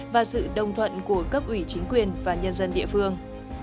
và sự đồng thuận của cấp ủy chính quyền và nhân dân địa phương